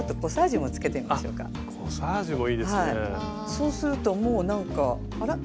そうするともうなんかあらっ